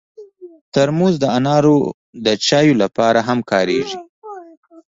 ترموز د انارو چایو لپاره هم کارېږي.